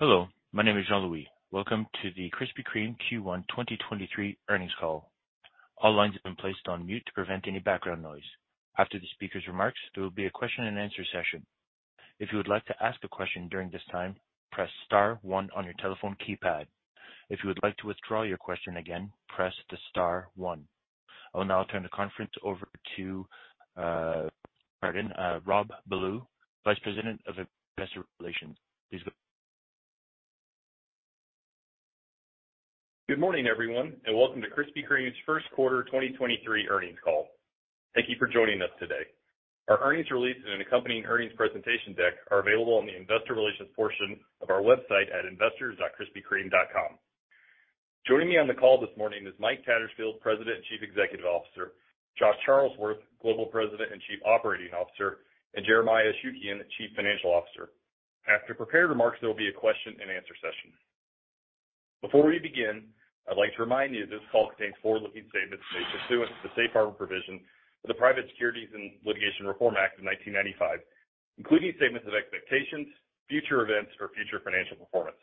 Hello, my name is Jean-Louis. Welcome to the Krispy Kreme Q1 2023 Earnings Call. All lines have been placed on mute to prevent any background noise. After the speaker's remarks, there will be a question and answer session. If you would like to ask a question during this time, press star one on your telephone keypad. If you would like to withdraw your question again, press the star one. I will now turn the conference over to pardon, Rob Ballew, Vice President of Investor Relations. Please go- Good morning, everyone, and welcome to Krispy Kreme's first quarter 2023 earnings call. Thank you for joining us today. Our earnings release and an accompanying earnings presentation deck are available on the investor relations portion of our website at investors.krispykreme.com. Joining me on the call this morning is Mike Tattersfield, President and Chief Executive Officer, Josh Charlesworth, Global President and Chief Operating Officer, and Jeremiah Ashukian, Chief Financial Officer. After prepared remarks, there will be a question and answer session. Before we begin, I'd like to remind you this call contains forward-looking statements made pursuant to the safe harbor provision of the Private Securities Litigation Reform Act of 1995, including statements of expectations, future events or future financial performance.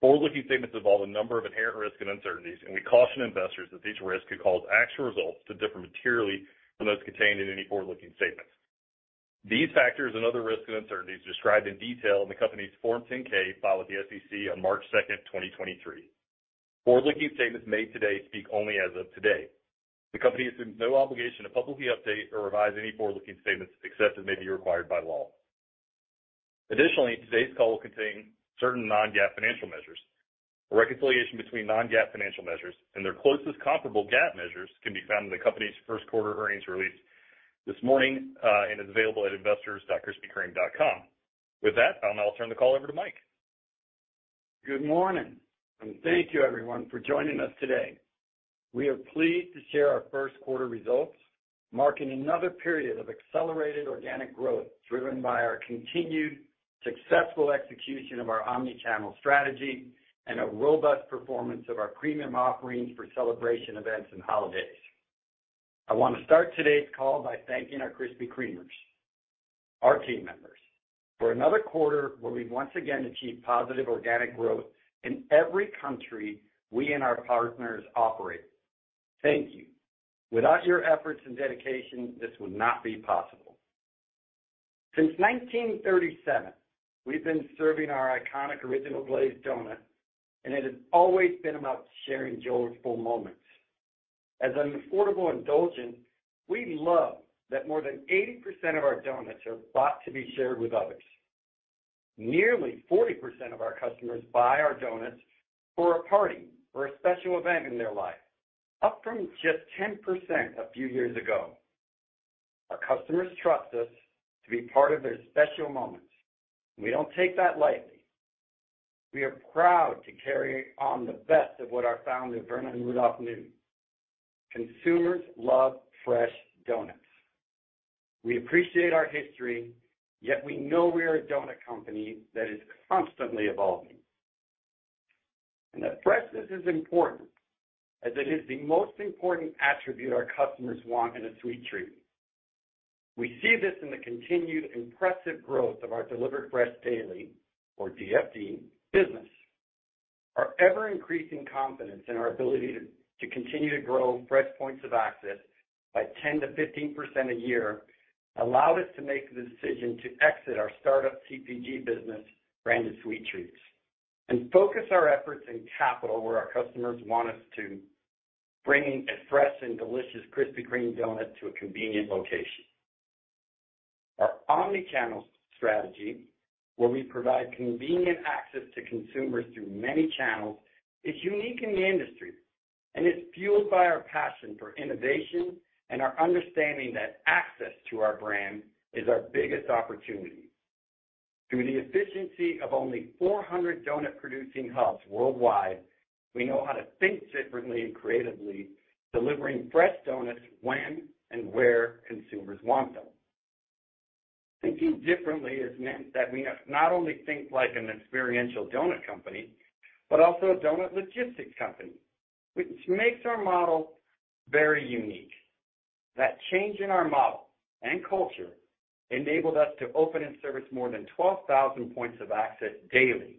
Forward-looking statements involve a number of inherent risks and uncertainties, and we caution investors that these risks could cause actual results to differ materially from those contained in any forward-looking statements. These factors and other risks and uncertainties described in detail in the company's Form 10-K filed with the SEC on March 2, 2023. Forward-looking statements made today speak only as of today. The company is under no obligation to publicly update or revise any forward-looking statements except as may be required by law. Today's call will contain certain non-GAAP financial measures. A reconciliation between non-GAAP financial measures and their closest comparable GAAP measures can be found in the company's first quarter earnings release this morning, and is available at investors.krispykreme.com. With that, I'll now turn the call over to Mike. Good morning, thank you everyone for joining us today. We are pleased to share our first quarter results, marking another period of accelerated organic growth driven by our continued successful execution of our omni-channel strategy and a robust performance of our premium offerings for celebration events and holidays. I want to start today's call by thanking our Krispy Kremeers, our team members, for another quarter where we've once again achieved positive organic growth in every country we and our partners operate. Thank you. Without your efforts and dedication, this would not be possible. Since 1937, we've been serving our iconic Original Glazed donut, and it has always been about sharing joyful moments. As an affordable indulgence, we love that more than 80% of our donuts are bought to be shared with others. Nearly 40% of our customers buy our doughnuts for a party or a special event in their life, up from just 10% a few years ago. Our customers trust us to be part of their special moments. We don't take that lightly. We are proud to carry on the best of what our founder, Vernon Rudolph, knew. Consumers love fresh doughnuts. We appreciate our history, yet we know we are a doughnut company that is constantly evolving. That freshness is important, as it is the most important attribute our customers want in a sweet treat. We see this in the continued impressive growth of our delivered fresh daily or DFD business. Our ever-increasing confidence in our ability to continue to grow fresh points of access by 10%-15% a year allowed us to make the decision to exit our startup CPG business, Branded Sweet Treats, and focus our efforts and capital where our customers want us to, bringing a fresh and delicious Krispy Kreme donut to a convenient location. Our omni-channel strategy, where we provide convenient access to consumers through many channels, is unique in the industry and is fueled by our passion for innovation and our understanding that access to our brand is our biggest opportunity. Through the efficiency of only 400 donut-producing hubs worldwide, we know how to think differently and creatively, delivering fresh donuts when and where consumers want them. Thinking differently has meant that we not only think like an experiential doughnut company, but also a doughnut logistics company, which makes our model very unique. That change in our model and culture enabled us to open and service more than 12,000 points of access daily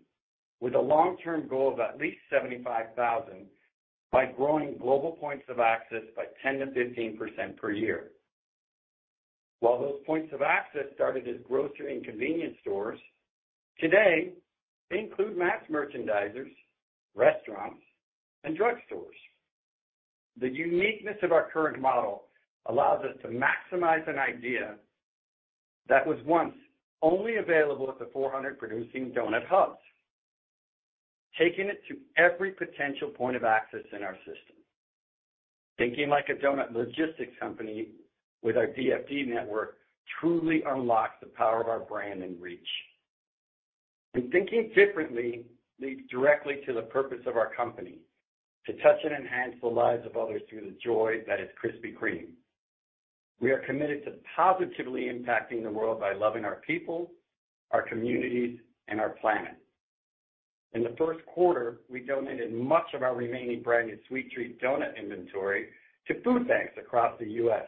with a long-term goal of at least 75,000 by growing global points of access by 10%-15% per year. While those points of access started as grocery and convenience stores, today they include mass merchandisers, restaurants, and drugstores. The uniqueness of our current model allows us to maximize an idea that was once only available at the 400 producing doughnut hubs, taking it to every potential point of access in our system. Thinking like a doughnut logistics company with our DFD network truly unlocks the power of our brand and reach. Thinking differently leads directly to the purpose of our company: to touch and enhance the lives of others through the joy that is Krispy Kreme. We are committed to positively impacting the world by loving our people, our communities, and our planet. In the first quarter, we donated much of our remaining Branded Sweet Treat doughnut inventory to food banks across the U.S.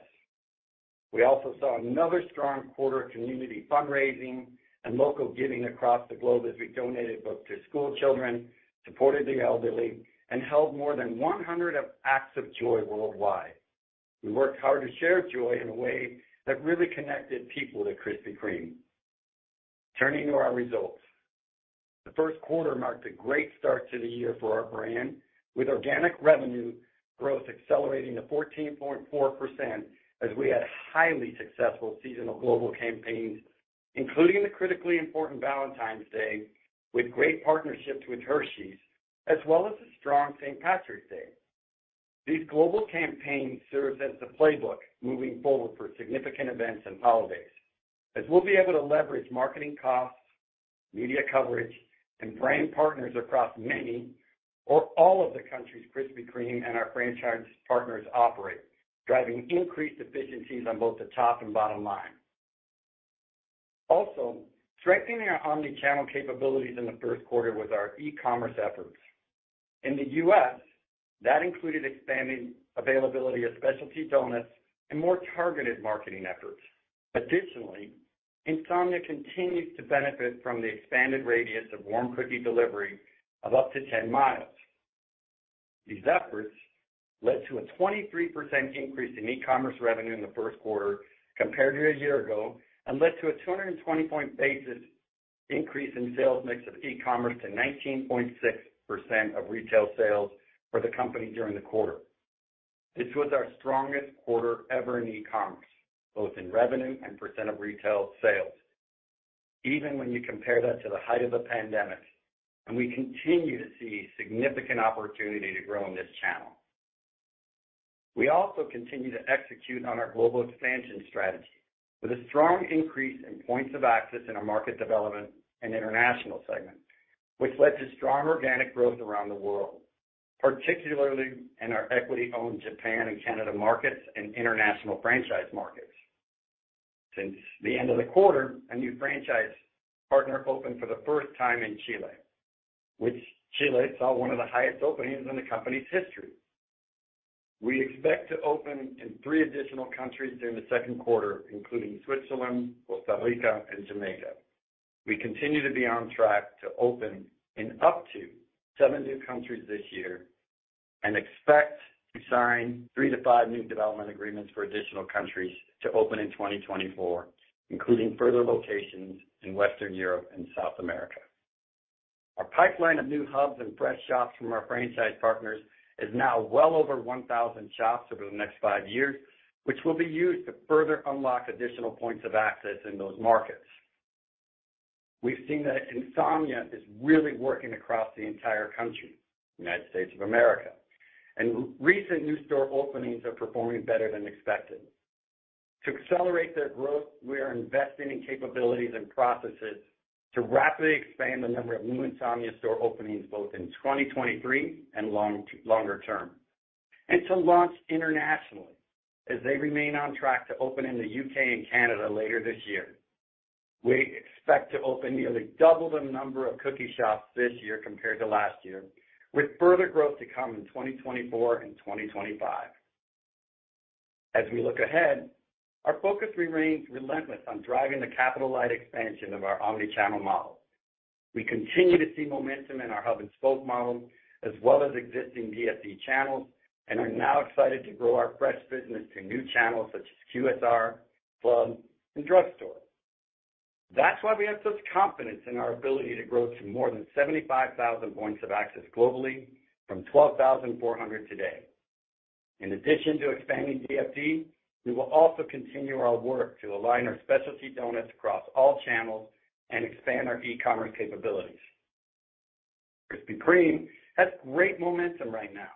We also saw another strong quarter of community fundraising and local giving across the globe as we donated both to school children, supported the elderly, and held more than 100 of acts of joy worldwide. We worked hard to share joy in a way that really connected people to Krispy Kreme. Turning to our results. The first quarter marked a great start to the year for our brand, with organic revenue growth accelerating to 14.4% as we had highly successful seasonal global campaigns, including the critically important Valentine's Day, with great partnerships with Hershey's, as well as a strong St. Patrick's Day. These global campaigns serves as the playbook moving forward for significant events and holidays, as we'll be able to leverage marketing costs, media coverage, and brand partners across many or all of the countries Krispy Kreme and our franchise partners operate, driving increased efficiencies on both the top and bottom line. Strengthening our omni-channel capabilities in the first quarter was our e-commerce efforts. In the U.S., that included expanding availability of specialty doughnuts and more targeted marketing efforts. Additionally, Insomnia continues to benefit from the expanded radius of warm cookie delivery of up to 10 mi. These efforts led to a 23% increase in e-commerce revenue in the first quarter compared to a year ago and led to a 220 point basis increase in sales mix of e-commerce to 19.6% of retail sales for the company during the quarter. This was our strongest quarter ever in e-commerce, both in revenue and percent of retail sales, even when you compare that to the height of the pandemic, and we continue to see significant opportunity to grow in this channel. We also continue to execute on our global expansion strategy with a strong increase in points of access in our market development and international segment, which led to strong organic growth around the world, particularly in our equity-owned Japan and Canada markets and international franchise markets. Since the end of the quarter, a new franchise partner opened for the first time in Chile, which Chile saw one of the highest openings in the company's history. We expect to open in three additional countries during the second quarter, including Switzerland, Costa Rica and Jamaica. We continue to be on track to open in up to seven new countries this year and expect to sign three to five new development agreements for additional countries to open in 2024, including further locations in Western Europe and South America. Our pipeline of new hubs and fresh shops from our franchise partners is now well over 1,000 shops over the next five years, which will be used to further unlock additional points of access in those markets. We've seen that Insomnia is really working across the entire country, United States of America, and recent new store openings are performing better than expected. To accelerate their growth, we are investing in capabilities and processes to rapidly expand the number of new Insomnia store openings both in 2023 and longer term, and to launch internationally as they remain on track to open in the U.K. and Canada later this year. We expect to open nearly double the number of cookie shops this year compared to last year, with further growth to come in 2024 and 2025. As we look ahead, our focus remains relentless on driving the capital-light expansion of our omni-channel model. We continue to see momentum in our hub and spoke model as well as existing DFD channels, are now excited to grow our fresh business to new channels such as QSR, club, and drugstore. That's why we have such confidence in our ability to grow to more than 75,000 points of access globally from 12,400 today. In addition to expanding DFD, we will also continue our work to align our specialty doughnuts across all channels and expand our e-commerce capabilities. Krispy Kreme has great momentum right now,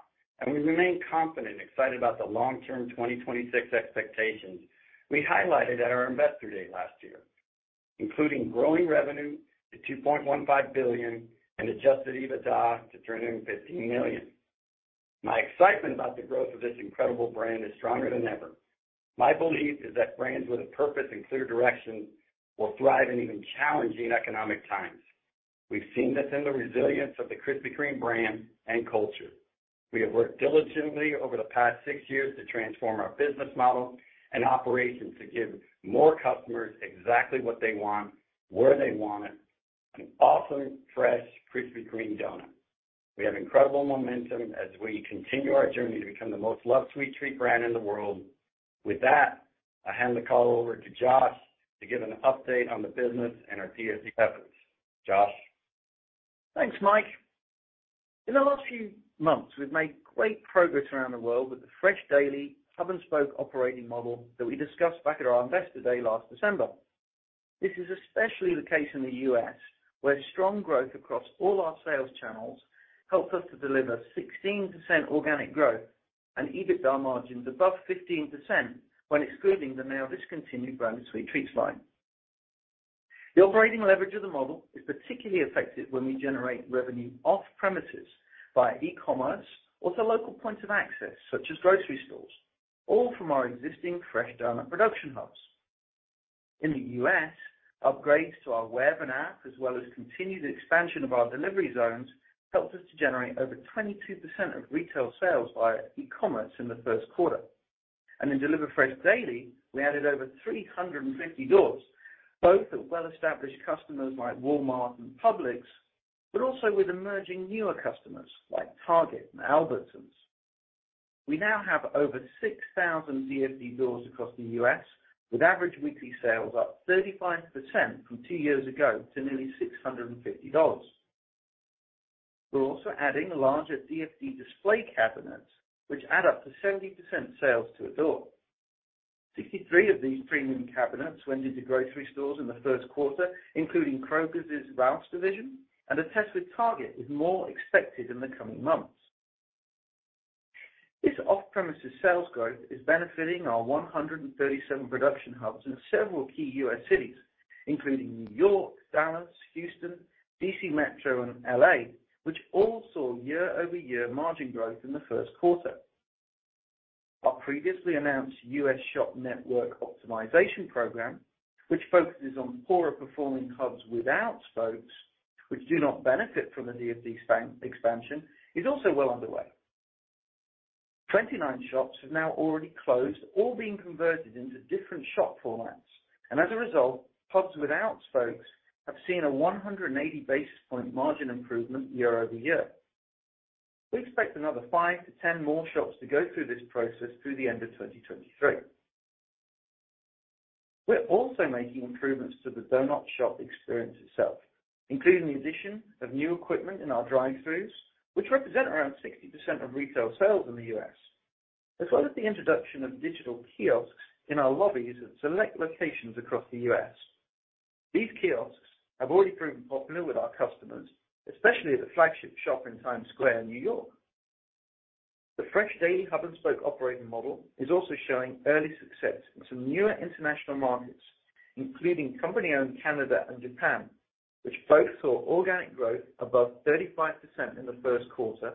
we remain confident and excited about the long-term 2026 expectations we highlighted at our investor day last year, including growing revenue to $2.15 billion and Adjusted EBITDA to $315 million. My excitement about the growth of this incredible brand is stronger than ever. My belief is that brands with a purpose and clear direction will thrive in even challenging economic times. We've seen this in the resilience of the Krispy Kreme brand and culture. We have worked diligently over the past six years to transform our business model and operations to give more customers exactly what they want, where they want it, an awesome, fresh Krispy Kreme doughnut. We have incredible momentum as we continue our journey to become the most loved sweet treat brand in the world. With that, I hand the call over to Josh to give an update on the business and our DFD efforts. Josh? Thanks, Mike. In the last few months, we've made great progress around the world with the fresh daily hub and spoke operating model that we discussed back at our investor day last December. This is especially the case in the U.S., where strong growth across all our sales channels helped us to deliver 16% organic growth and EBITDA margins above 15% when excluding the now discontinued Branded Sweet Treats line. The operating leverage of the model is particularly effective when we generate revenue off premises via e-commerce or through local points of access, such as grocery stores, all from our existing fresh doughnut production hubs. In the U.S., upgrades to our web and app, as well as continued expansion of our delivery zones, helped us to generate over 22% of retail sales via e-commerce in the first quarter. In Deliver Fresh Daily, we added over 350 doors, both at well-established customers like Walmart and Publix, but also with emerging newer customers like Target and Albertsons. We now have over 6,000 DFD doors across the U.S., with average weekly sales up 35% from two years ago to nearly $650. We're also adding larger DFD display cabinets, which add up to 70% sales to a door. 63 of these premium cabinets went into grocery stores in the first quarter, including Kroger's, Rouses division, and a test with Target is more expected in the coming months. This off-premises sales growth is benefiting our 137 production hubs in several key U.S. cities, including New York, Dallas, Houston, D.C. Metro, and L.A., which all saw year-over-year margin growth in the first quarter. Our previously announced U.S. shop network optimization program, which focuses on poorer performing hubs without spokes, which do not benefit from the DFD expansion, is also well underway. 29 shops have now already closed, all being converted into different shop formats. As a result, hubs without spokes have seen a 180 basis point margin improvement year-over-year. We expect another five to 10 more shops to go through this process through the end of 2023. We're also making improvements to the donut shop experience itself, including the addition of new equipment in our drive-throughs, which represent around 60% of retail sales in the U.S., as well as the introduction of digital kiosks in our lobbies at select locations across the U.S. These kiosks have already proven popular with our customers, especially at the flagship shop in Times Square in New York. The fresh daily hub and spoke operating model is also showing early success in some newer international markets, including company-owned Canada and Japan, which both saw organic growth above 35% in the first quarter,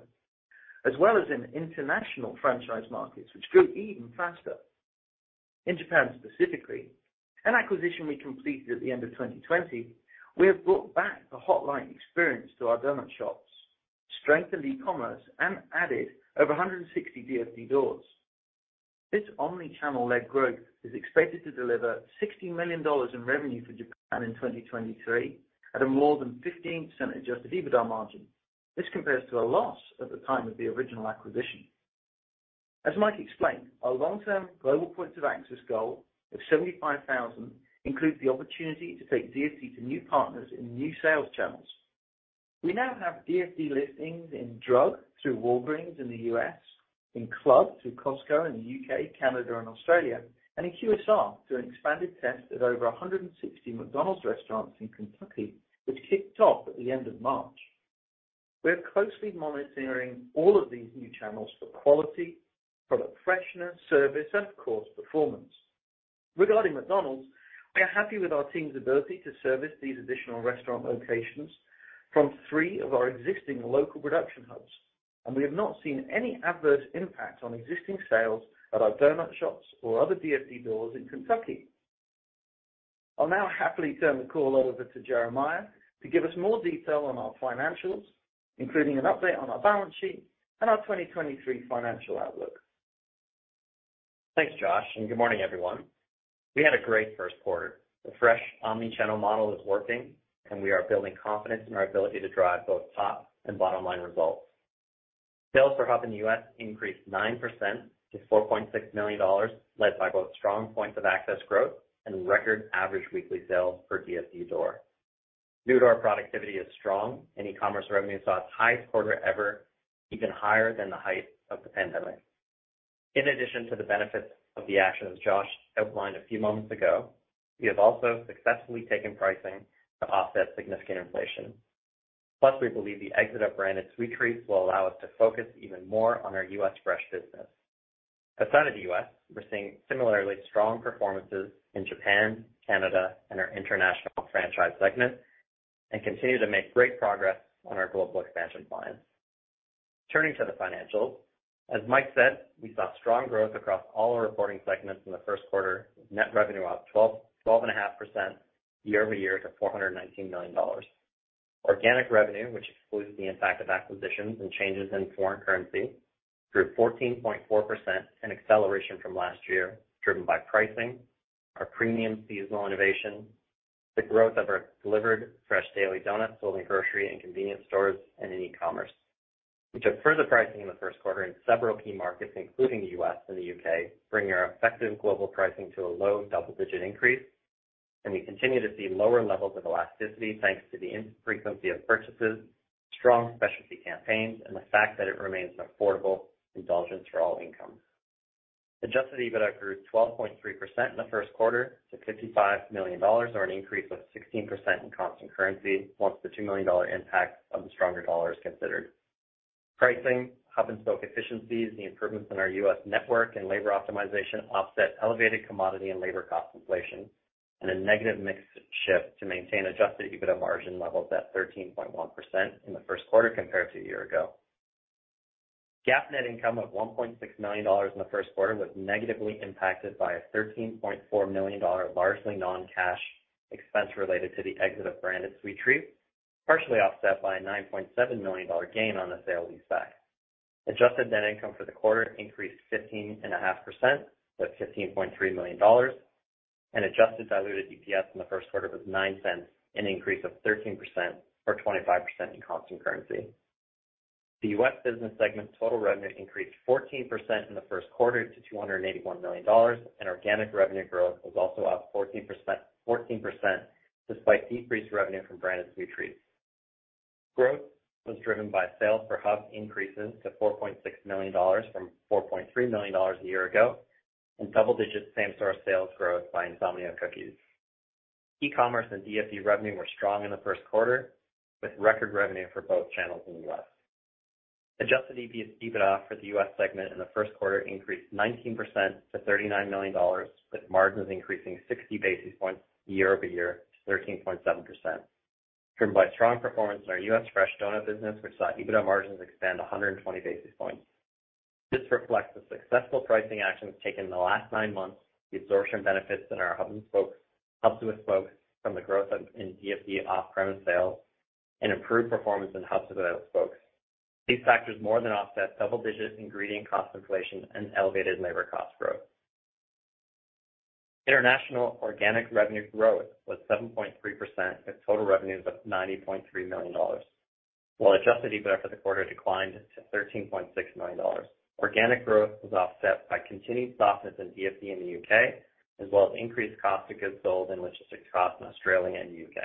as well as in international franchise markets, which grew even faster. In Japan specifically, an acquisition we completed at the end of 2020, we have brought back the hotline experience to our doughnut shops, strengthened e-commerce, and added over 160 DFD doors. This omni-channel led growth is expected to deliver $60 million in revenue for Japan in 2023 at a more than 15% adjusted EBITDA margin. This compares to a loss at the time of the original acquisition. As Mike explained, our long-term global points of access goal of 75,000 includes the opportunity to take DFD to new partners in new sales channels. We now have DFD listings in drug through Walgreens in the U.S., in club through Costco in the U.K., Canada and Australia, and in QSR through an expanded test at over 160 McDonald's restaurants in Kentucky, which kicked off at the end of March. We're closely monitoring all of these new channels for quality, product freshness, service, and of course, performance. Regarding McDonald's, we are happy with our team's ability to service these additional restaurant locations from three of our existing local production hubs, and we have not seen any adverse impact on existing sales at our donut shops or other DFD doors in Kentucky. I'll now happily turn the call over to Jeremiah to give us more detail on our financials, including an update on our balance sheet and our 2023 financial outlook. Thanks, Josh. Good morning, everyone. We had a great first quarter. The fresh omni-channel model is working, and we are building confidence in our ability to drive both top and bottom-line results. Sales for hub in the U.S. increased 9% to $4.6 million, led by both strong points of access growth and record average weekly sales per DFD door. Due to our productivity is strong and e-commerce revenue saw its highest quarter ever, even higher than the height of the pandemic. In addition to the benefits of the actions Josh outlined a few moments ago, we have also successfully taken pricing to offset significant inflation. We believe the exit of Branded Sweet Treat will allow us to focus even more on our U.S. fresh business. Outside of the U.S., we're seeing similarly strong performances in Japan, Canada, and our international franchise segment. Continue to make great progress on our global expansion plans. Turning to the financials, as Mike said, we saw strong growth across all our reporting segments in the first quarter. Net revenue up 12.5% year-over-year to $419 million. Organic revenue, which excludes the impact of acquisitions and changes in foreign currency, grew 14.4% in acceleration from last year, driven by pricing, our premium seasonal innovation, the growth of our Delivered Fresh Daily doughnuts sold in grocery and convenience stores, and in e-commerce. We took further pricing in the first quarter in several key markets, including the U.S. and the U.K., bringing our effective global pricing to a low double-digit increase. We continue to see lower levels of elasticity thanks to the infrequency of purchases, strong specialty campaigns, and the fact that it remains an affordable indulgence for all incomes. Adjusted EBITDA grew 12.3% in the first quarter to $55 million or an increase of 16% in constant currency once the $2 million impact of the stronger dollar is considered. Pricing, hub and spoke efficiencies, the improvements in our U.S. network and labor optimization offset elevated commodity and labor cost inflation and a negative mix shift to maintain Adjusted EBITDA margin levels at 13.1% in the first quarter compared to a year ago. GAAP net income of $1.6 million in the first quarter was negatively impacted by a $13.4 million, largely non-cash expense related to the exit of Branded Sweet Treats, partially offset by a $9.7 million gain on the sale-leaseback. adjusted net income for the quarter increased 15.5% to $15.3 million, and adjusted diluted EPS in the first quarter was $0.09, an increase of 13%, or 25% in constant currency. The U.S. business segment total revenue increased 14% in the first quarter to $281 million, and organic revenue growth was also up 14%, despite decreased revenue from Branded Sweet Treats. Growth was driven by sales per hub increases to $4.6 million from $4.3 million a year ago, and double-digit same-store sales growth by Insomnia Cookies. E-commerce and DFD revenue were strong in the first quarter, with record revenue for both channels in the US. Adjusted EBITDA for the U.S. segment in the first quarter increased 19% to $39 million, with margins increasing 60 basis points year-over-year to 13.7%, driven by strong performance in our U.S. fresh doughnut business, which saw EBITDA margins expand 120 basis points. This reflects the successful pricing actions taken in the last nine months, the absorption benefits in our hub to a spoke from the growth in DFD off-premise sales and improved performance in hub to spoke. These factors more than offset double-digit ingredient cost inflation and elevated labor cost growth. International organic revenue growth was 7.3%, with total revenues of $90.3 million, while Adjusted EBITDA for the quarter declined to $13.6 million. Organic growth was offset by continued softness in DFD in the U.K., as well as increased cost of goods sold and logistic costs in Australia and U.K.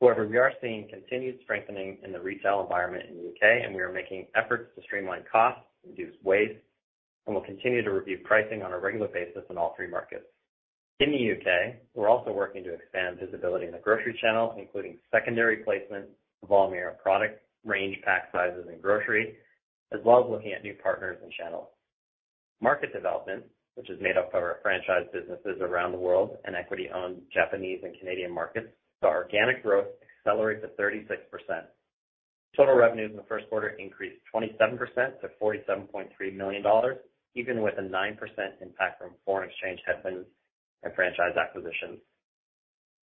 We are seeing continued strengthening in the retail environment in the U.K., and we are making efforts to streamline costs, reduce waste, and we'll continue to review pricing on a regular basis in all three markets. In the U.K., we're also working to expand visibility in the grocery channel, including secondary placement, volume, product range, pack sizes and grocery, as well as looking at new partners and channels. Market development, which is made up of our franchise businesses around the world and equity-owned Japanese and Canadian markets, saw organic growth accelerate to 36%. Total revenues in the first quarter increased 27% to $47.3 million, even with a 9% impact from foreign exchange headwinds and franchise acquisitions.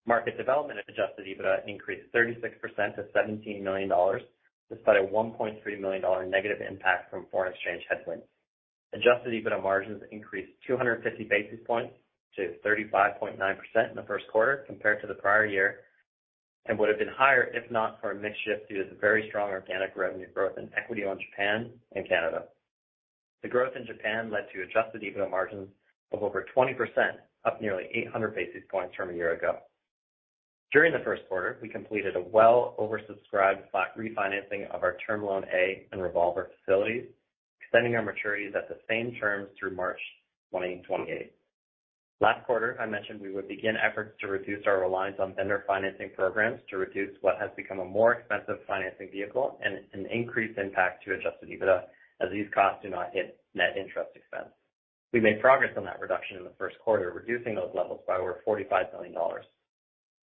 Market development adjusted EBITDA increased 36% to $17 million, despite a $1.3 million negative impact from foreign exchange headwinds. Adjusted EBITDA margins increased 250 basis points to 35.9% in the first quarter compared to the prior year and would have been higher if not for a mix shift due to the very strong organic revenue growth in equity on Japan and Canada. The growth in Japan led to Adjusted EBITDA margins of over 20%, up nearly 800 basis points from a year ago. During the first quarter, we completed a well oversubscribed slot refinancing of our Term Loan A and revolver facilities, extending our maturities at the same terms through March 2028. Last quarter, I mentioned we would begin efforts to reduce our reliance on vendor financing programs to reduce what has become a more expensive financing vehicle and an increased impact to Adjusted EBITDA, as these costs do not hit net interest expense. We made progress on that reduction in the first quarter, reducing those levels by over $45 million.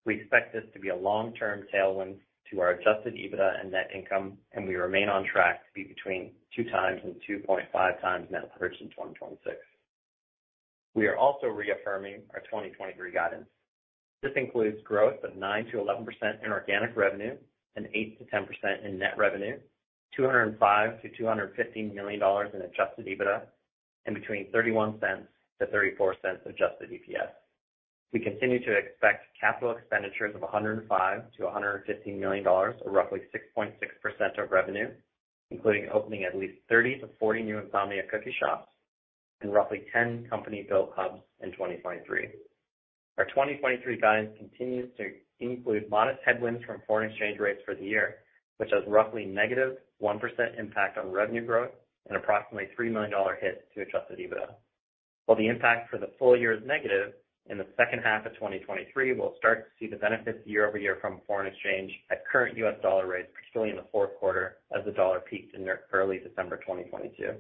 We expect this to be a long-term tailwind to our Adjusted EBITDA and net income, and we remain on track to be between 2x and 2.5x net leverag. in 2026. We are also reaffirming our 2023 guidance. This includes growth of 9%-11% in organic revenue and 8%-10% in net revenue, $205 million-$215 million in Adjusted EBITDA, and between $0.31-$0.34 adjusted EPS. We continue to expect capital expenditures of $105 million-$115 million, or roughly 6.6% of revenue, including opening at least 30-40 new Insomnia Cookies shops and roughly 10 company-built hubs in 2023. Our 2023 guidance continues to include modest headwinds from foreign exchange rates for the year, which has roughly negative 1% impact on revenue growth and approximately $3 million hit to Adjusted EBITDA. While the impact for the full year is negative, in the second half of 2023, we'll start to see the benefits year-over-year from foreign exchange at current U.S. dollar rates, particularly in the fourth quarter as the dollar peaked in early December 2022.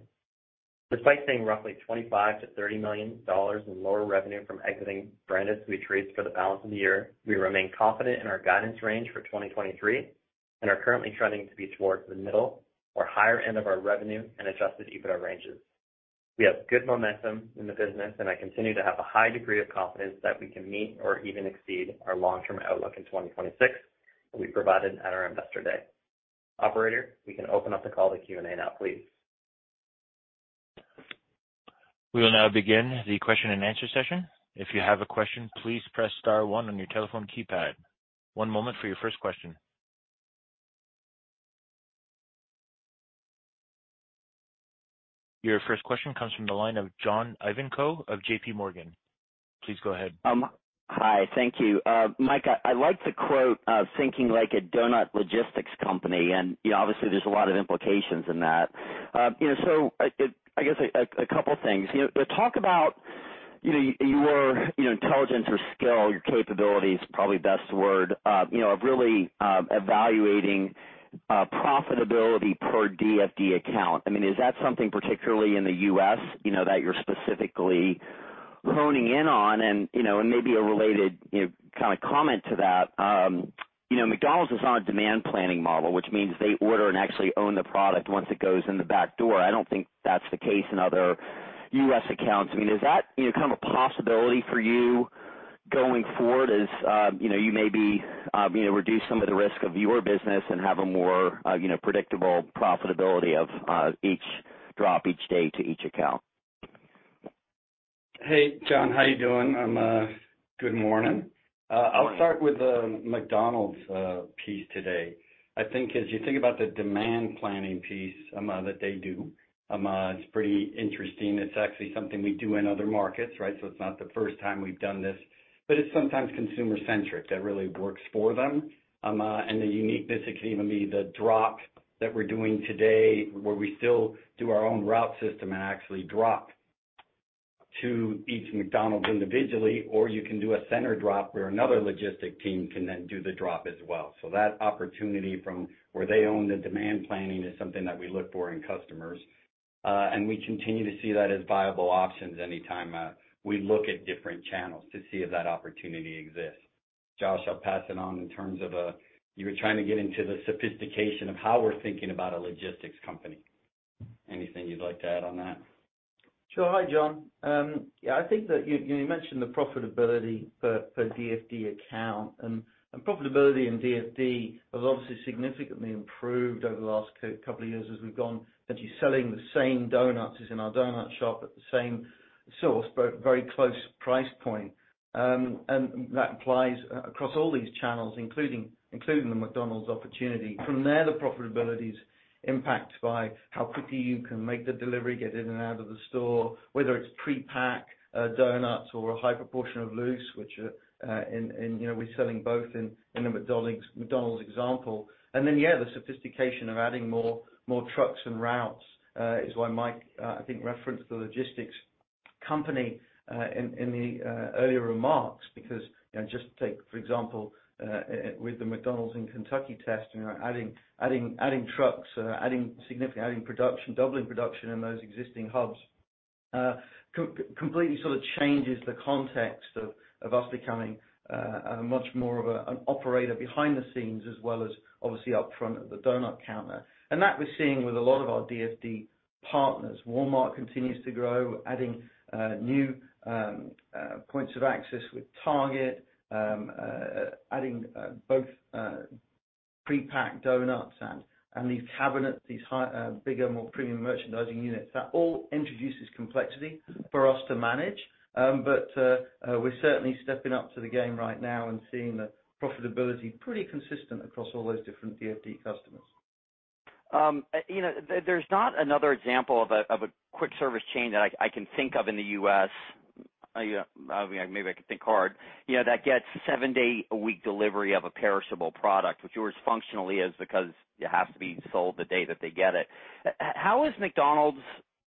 Despite seeing roughly $25 million-$30 million in lower revenue from exiting Branded Sweet Treats for the balance of the year, we remain confident in our guidance range for 2023 and are currently trending to be towards the middle or higher end of our revenue and Adjusted EBITDA ranges. We have good momentum in the business, and I continue to have a high degree of confidence that we can meet or even exceed our long-term outlook in 2026 that we provided at our Investor Day. Operator, we can open up the call to Q&A now, please. We will now begin the question-and-answer session. If you have a question, please press star one on your telephone keypad. One moment for your first question. Your first question comes from the line of John Ivankoe of JPMorgan. Please go ahead. Hi. Thank you. Mike, I like the quote of thinking like a donut logistics company. You know, obviously there's a lot of implications in that. You know, so, I guess a couple things. You know, talk about, you know, your intelligence or skill, your capabilities, probably best word, you know, of really evaluating profitability per DFD account. I mean, is that something particularly in the U.S., you know, that you're specifically honing in on, you know, and maybe a related, you know, kind of comment to that, you know, McDonald's is on a demand planning model, which means they order and actually own the product once it goes in the back door. I don't think that's the case in other U.S. accounts. I mean, is that, you know, kind of a possibility for you going forward, as, you know, you maybe, you know, reduce some of the risk of your business and have a more, you know, predictable profitability of each drop each day to each account? Hey, John, how you doing? Good morning. Morning. I'll start with the McDonald's piece today. I think as you think about the demand planning piece that they do, it's pretty interesting. It's actually something we do in other markets, right? It's not the first time we've done this, but it's sometimes consumer-centric that really works for them. The uniqueness, it can even be the drop that we're doing today, where we still do our own route system and actually drop to each McDonald's individually, or you can do a center drop where another logistic team can then do the drop as well. That opportunity from where they own the demand planning is something that we look for in customers. We continue to see that as viable options any time we look at different channels to see if that opportunity exists. Josh, I'll pass it on in terms of, you were trying to get into the sophistication of how we're thinking about a logistics company. Anything you'd like to add on that? Sure. Hi, John. Yeah, I think that you mentioned the profitability per DFD account, and profitability in DFD has obviously significantly improved over the last couple of years as we've gone. Actually selling the same doughnuts as in our doughnut shop at the same source, but very close price point. That applies across all these channels, including the McDonald's opportunity. From there, the profitability is impacted by how quickly you can make the delivery, get in and out of the store, whether it's pre-pack doughnuts or a high proportion of loose, which, and, you know, we're selling both in the McDonald's example. Then, yeah, the sophistication of adding more trucks and routes is why Mike, I think, referenced the logistics company in the earlier remarks. Because, you know, just take, for example, with the McDonald's in Kentucky test, you know, adding trucks, adding production, doubling production in those existing hubs, completely sort of changes the context of us becoming a much more of a, an operator behind the scenes as well as obviously up front at the donut counter. That we're seeing with a lot of our DFD partners. Walmart continues to grow, adding new points of access with Target, adding both pre-packed donuts and these cabinets, bigger, more premium merchandising units. That all introduces complexity for us to manage. We're certainly stepping up to the game right now and seeing the profitability pretty consistent across all those different DFD customers. You know, there's not another example of a, of a quick service chain that I can think of in the U.S. Yeah, maybe I can think hard. You know, that gets seven day a week delivery of a perishable product, which yours functionally is because it has to be sold the day that they get it. How is McDonald's,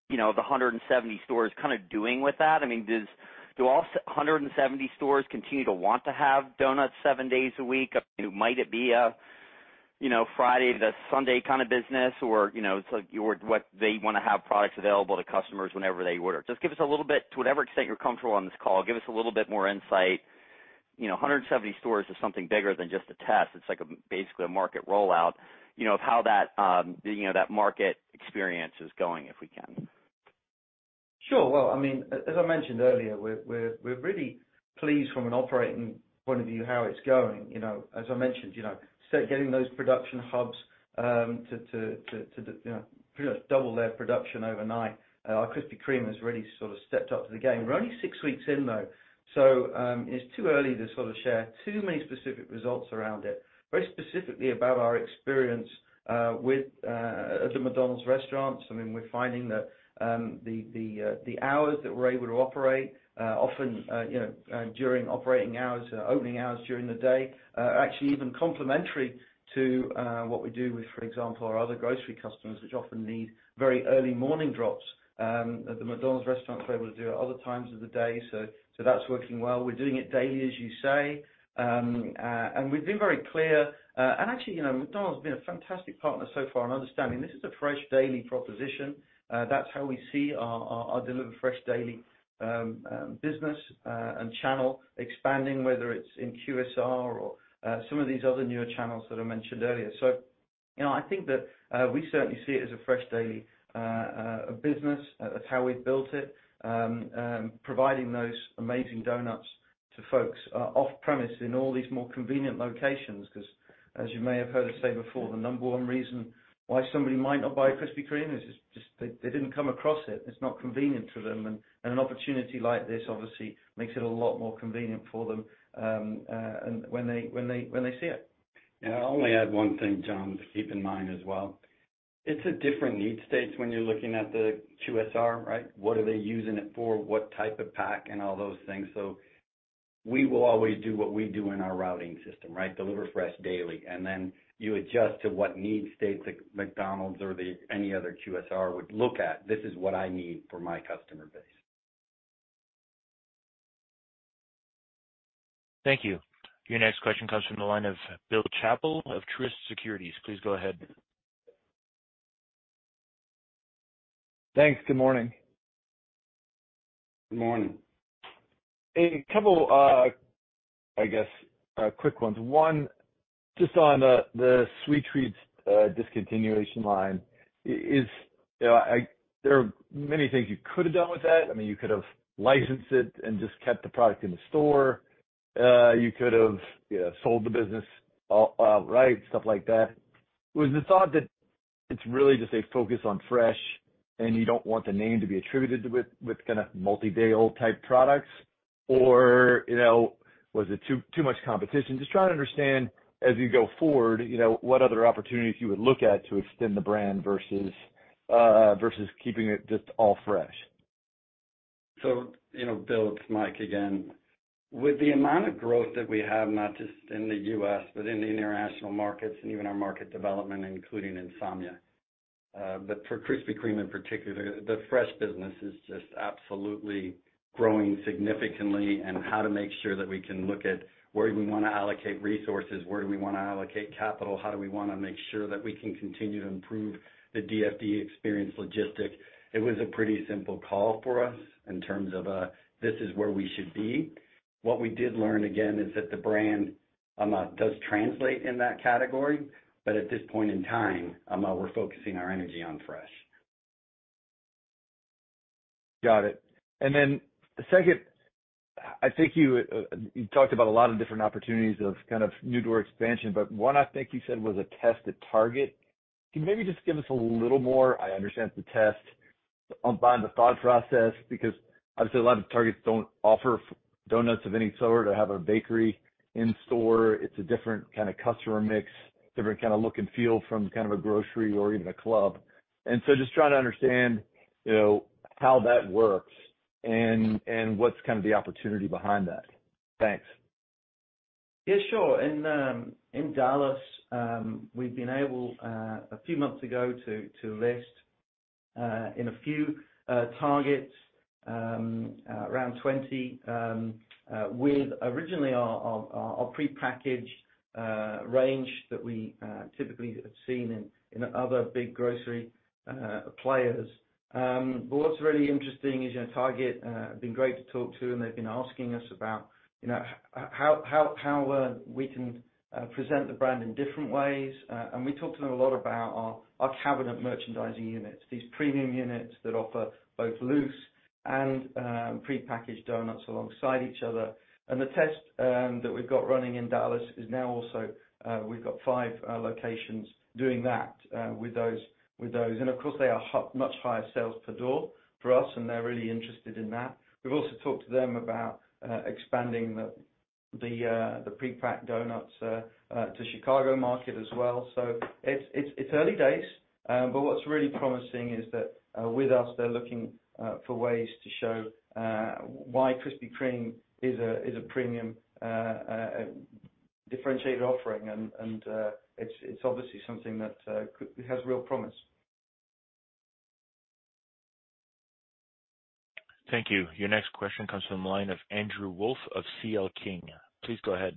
you know, the 170 stores kind of doing with that? I mean, do all 170 stores continue to want to have donuts seven days a week? Might it be a, you know, Friday to Sunday kind of business or, you know, what they want to have products available to customers whenever they order. Just give us a little bit, to whatever extent you're comfortable on this call, give us a little bit more insight. You know, 170 stores is something bigger than just a test. It's like a basically a market rollout, you know, of how that, you know, that market experience is going, if we can. Sure. Well, I mean, as I mentioned earlier, we're really pleased from an operating point of view, how it's going. You know, as I mentioned, you know, start getting those production hubs to, you know, pretty much double their production overnight. Our Krispy Kreme has really sort of stepped up to the game. We're only six weeks in, though, so it's too early to sort of share too many specific results around it. Very specifically about our experience with at the McDonald's restaurants, I mean, we're finding that the hours that we're able to operate often, you know, during operating hours, opening hours during the day, are actually even complementary to what we do with, for example, our other grocery customers, which often need very early morning drops. At the McDonald's restaurants, we're able to do it other times of the day. That's working well. We're doing it daily, as you say. We've been very clear, and actually, you know, McDonald's has been a fantastic partner so far in understanding this is a fresh daily proposition. That's how we see our deliver fresh daily business and channel expanding, whether it's in QSR or some of these other newer channels that I mentioned earlier. You know, I think that we certainly see it as a fresh daily business. That's how we've built it. Providing those amazing doughnuts to folks, off-premise in all these more convenient locations, 'cause as you may have heard us say before, the number one reason why somebody might not buy a Krispy Kreme is just they didn't come across it. It's not convenient to them. An opportunity like this obviously makes it a lot more convenient for them, and when they see it. I'll only add one thing, John, to keep in mind as well. It's a different need states when you're looking at the QSR, right? What are they using it for? What type of pack and all those things. We will always do what we do in our routing system, right? Deliver fresh daily, and then you adjust to what need state McDonald's or the, any other QSR would look at. This is what I need for my customer base. Thank you. Your next question comes from the line of Bill Chappell of Truist Securities. Please go ahead. Thanks. Good morning. Good morning. A couple, I guess, quick ones. One, just on the Sweet Treats discontinuation line. There are many things you could have done with that. I mean, you could have licensed it and just kept the product in the store. You could have, you know, sold the business all, right, stuff like that. Was the thought that it's really just a focus on fresh and you don't want the name to be attributed to with kinda multi-day-old type products, or, you know, was it too much competition? Just trying to understand as you go forward, you know, what other opportunities you would look at to extend the brand versus keeping it just all fresh. You know, Bill Chappell, it's Mike Tattersfield again. With the amount of growth that we have, not just in the U.S., but in the international markets and even our market development, including Insomnia. For Krispy Kreme in particular, the fresh business is just absolutely growing significantly and how to make sure that we can look at where do we wanna allocate resources, where do we wanna allocate capital, how do we wanna make sure that we can continue to improve the DFD experience logistic. It was a pretty simple call for us in terms of this is where we should be. What we did learn, again, is that the brand does translate in that category. At this point in time, we're focusing our energy on fresh. Got it. The second, I think you talked about a lot of different opportunities of kind of new door expansion, but one I think you said was a test at Target. Can you maybe just give us a little more, I understand it's a test, behind the thought process, because obviously, a lot of Targets don't offer doughnuts of any sort or have a bakery in store. It's a different kind of customer mix, different kind of look and feel from kind of a grocery or even a club. Just trying to understand, you know, how that works and what's kind of the opportunity behind that. Thanks. Yeah, sure. In Dallas, we've been able a few months ago to list in a few Target around 20 with originally our prepackaged range that we typically have seen in other big grocery players. What's really interesting is, you know, Target have been great to talk to, and they've been asking us about, you know, how we can present the brand in different ways. We talked to them a lot about our cabinet merchandising units, these premium units that offer both loose and prepackaged doughnuts alongside each other. The test that we've got running in Dallas is now also we've got five locations doing that with those. Of course, they are much higher sales per door for us, and they're really interested in that. We've also talked to them about expanding the prepacked doughnuts to Chicago market as well. It's early days, but what's really promising is that with us, they're looking for ways to show why Krispy Kreme is a premium differentiated offering. It's obviously something that has real promise. Thank you. Your next question comes from the line of Andrew Wolf of C.L. King. Please go ahead.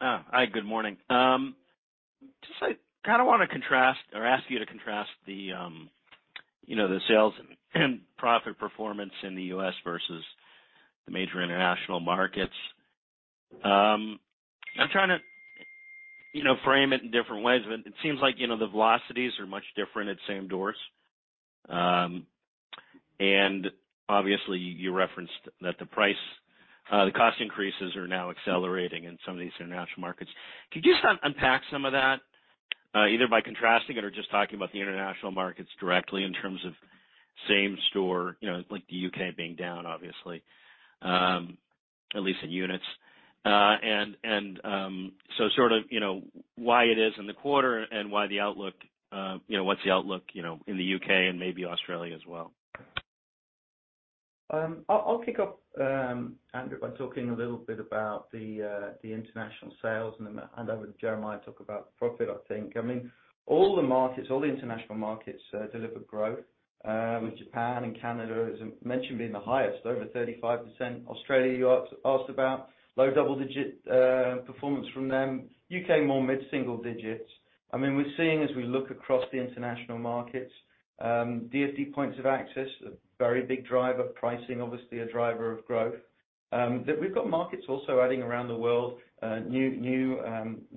Hi, good morning. Just, like, kinda wanna contrast or ask you to contrast the, you know, the sales and profit performance in the U.S. versus the major international markets. I'm trying to, you know, frame it in different ways, but it seems like, you know, the velocities are much different at same doors. Obviously you referenced that the price, the cost increases are now accelerating in some of these international markets. Could you just unpack some of that, either by contrasting it or just talking about the international markets directly in terms of same-store, you know, like the U.K. being down obviously, at least in units? Sort of, you know, why it is in the quarter and why the outlook, you know, what's the outlook, you know, in the U.K. and maybe Australia as well? I'll kick off, Andrew, by talking a little bit about the international sales and then hand over to Jeremiah to talk about profit, I think. I mean, all the markets, all the international markets, delivered growth, with Japan and Canada, as mentioned, being the highest, over 35%. Australia, you asked about, low double-digit performance from them. U.K., more mid-single digits. I mean, we're seeing as we look across the international markets, DFD points of access, a very big driver, pricing, obviously a driver of growth. That we've got markets also adding around the world, new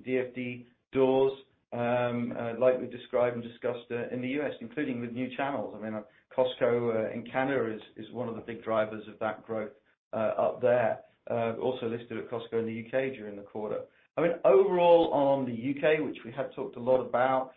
DFD doors, like we described and discussed in the U.S., including with new channels. I mean, Costco in Canada is one of the big drivers of that growth up there. Also listed at Costco in the U.K. during the quarter. I mean, overall on the UK, which we have talked a lot about,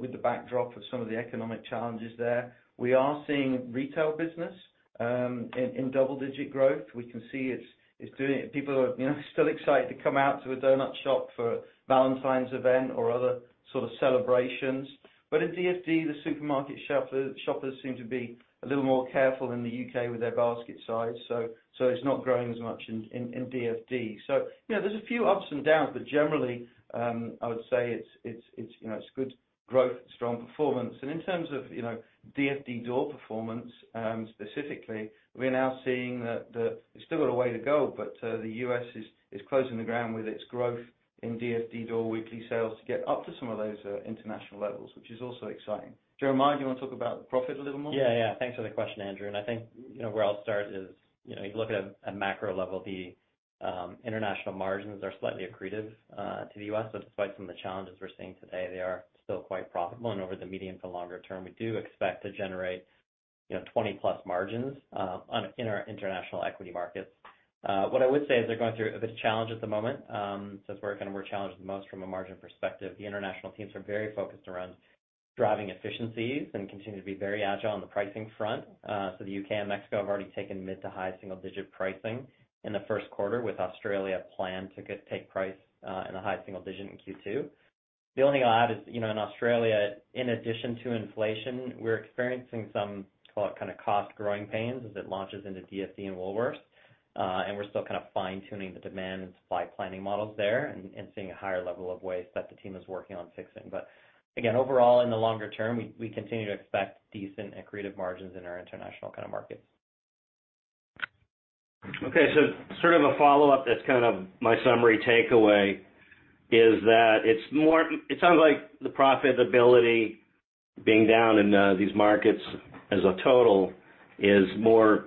with the backdrop of some of the economic challenges there, we are seeing retail business in double-digit growth. We can see it's doing. People are, you know, still excited to come out to a doughnut shop for Valentine's event or other sort of celebrations. In DFD, the supermarket shoppers seem to be a little more careful in the U.K. with their basket size, so it's not growing as much in DFD. You know, there's a few ups and downs, but generally, I would say it's, you know, it's good growth, strong performance. In terms of, you know, DFD door performance, specifically, we're now seeing that the. It's still got a way to go. The U.S. is closing the ground with its growth in DFD door weekly sales to get up to some of those international levels, which is also exciting. Jeremiah, do you want to talk about the profit a little more? Yeah, yeah. Thanks for the question, Andrew. I think, you know, where I'll start is, you know, you look at a macro level, the international margins are slightly accretive to the U.S., but despite some of the challenges we're seeing today, they are still quite profitable. Over the medium to longer term, we do expect to generate, you know, 20+ margins in our international equity markets. What I would say is they're going through a bit of challenge at the moment. It's where kind of we're challenged the most from a margin perspective. The international teams are very focused around driving efficiencies and continue to be very agile on the pricing front. The U.K. and Mexico have already taken mid to high single-digit pricing in the first quarter, with Australia planned to get take price in the high single-digit in Q2. The only I'll add is, you know, in Australia, in addition to inflation, we're experiencing some, call it, kind of cost growing pains as it launches into DFD and Woolworths. And we're still kind of fine-tuning the demand and supply planning models there and seeing a higher level of waste that the team is working on fixing. Again, overall, in the longer term, we continue to expect decent accretive margins in our international kind of markets. It sounds like the profitability being down in these markets as a total is more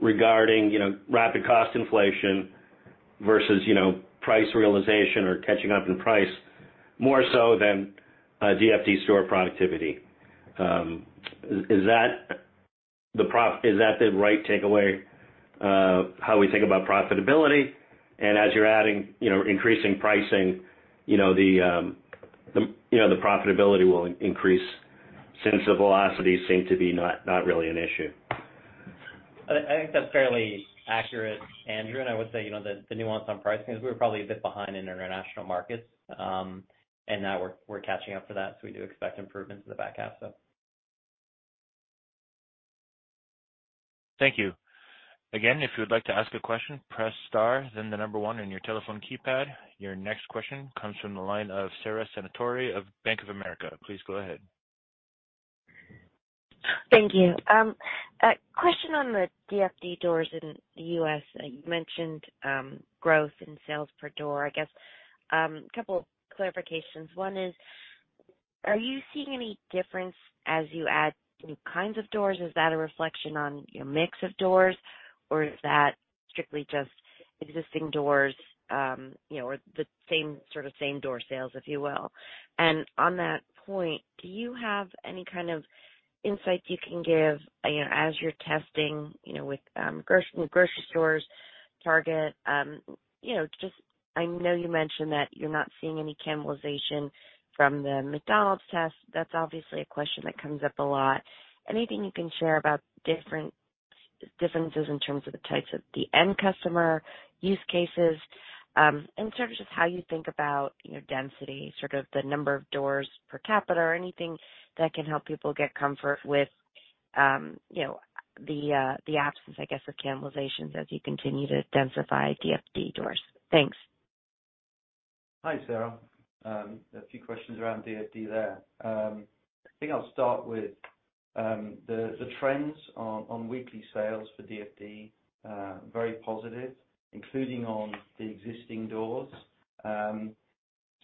regarding, you know, rapid cost inflation versus, you know, price realization or catching up in price more so than DFD store productivity. Is that the right takeaway, how we think about profitability? As you're adding, you know, increasing pricing, you know, the profitability will increase since the velocities seem to be not really an issue. I think that's fairly accurate, Andrew. I would say, you know, the nuance on pricing, 'cause we were probably a bit behind in our international markets. Now we're catching up for that. We do expect improvements in the back half. Thank you. Again, if you would like to ask a question, press star, then the number one on your telephone keypad. Your next question comes from the line of Sara Senatore of Bank of America. Please go ahead. Thank you. A question on the DFD doors in the U.S. You mentioned growth in sales per door. I guess a couple clarifications. One is, are you seeing any difference as you add new kinds of doors? Is that a reflection on your mix of doors, or is that strictly just existing doors, you know, or the same sort of same door sales, if you will? On that point, do you have any kind of insights you can give, you know, as you're testing, you know, with grocery stores, Target, you know, just I know you mentioned that you're not seeing any cannibalization from the McDonald's test. That's obviously a question that comes up a lot. Anything you can share about differences in terms of the types of the end customer use cases, and sort of just how you think about, you know, density, sort of the number of doors per capita or anything that can help people get comfort with, you know, the absence, I guess, of cannibalizations as you continue to densify DFD doors. Thanks. Hi, Sara. A few questions around DFD there. I think I'll start with the trends on weekly sales for DFD, very positive, including on the existing doors.